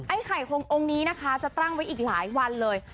ไข่องค์นี้นะคะจะตั้งไว้อีกหลายวันเลย